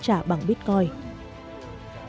trả bằng bitcoin